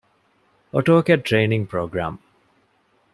އޮޓޯކެޑް ޓްރެއިނިންގ ޕްރޮގްރާމް